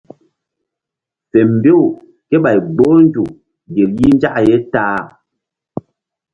Fe mbew kéɓay gboh nzuk gel yih nzak ye ta-a.